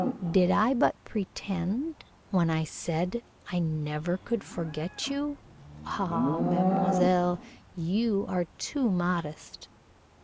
"Did I but pretend when I said I never could forget you? Ah, mademoiselle, you are too modest."